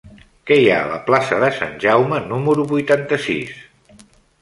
Què hi ha a la plaça de Sant Jaume número vuitanta-sis?